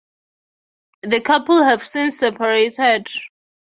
The couple have since separated.